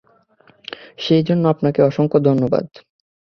সেই জন্যে আপনাকে অসংখ্য ধন্যবাদ।